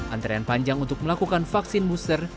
antrean panjang untuk melakukan vaksin booster